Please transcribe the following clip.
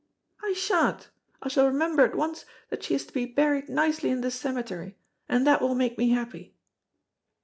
"I sha'n't, I shall remember at once that she is to be buried nicely in the cemetery, and that will make me happy."